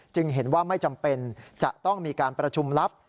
เห็นว่าไม่จำเป็นจะต้องมีการประชุมลับ